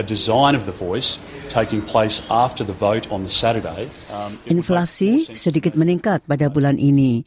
inflasi sedikit meningkat pada bulan ini